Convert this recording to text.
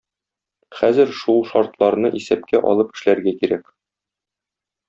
Хәзер шул шартларны исәпкә алып эшләргә кирәк.